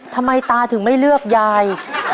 ทำไมตาถึงไม่เลือกยาย